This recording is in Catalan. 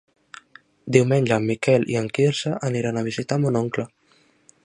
Diumenge en Miquel i en Quirze aniran a visitar mon oncle.